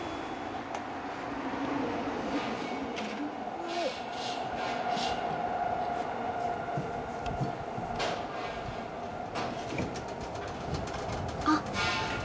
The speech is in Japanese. はーい。あっ。